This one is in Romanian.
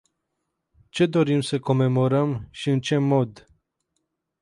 Ce dorim să comemorăm și în ce mod?